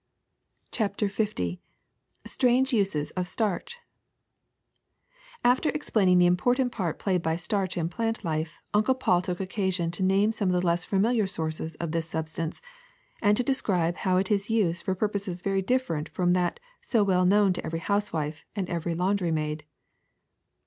'' CHAPTER L STRANGE USES OF STARCH AFTER explaining the important part played by starch in plant life Uncle Paul took occasion to name some of the less familiar sources of this substance and to describe how it is used for pur poses very different from that so well known to every housewife and every laundry maid.